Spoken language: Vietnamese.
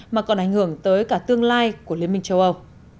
mà còn ảnh hưởng tới cả tương lai của liên minh châu âu